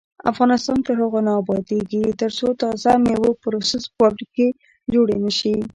افغانستان تر هغو نه ابادیږي، ترڅو د تازه میوو پروسس فابریکې جوړې نشي.